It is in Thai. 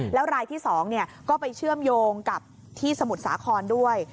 แล้วรายที่๒ก็ไปเชื่อมโยงกับที่สมุทรสาครด้วย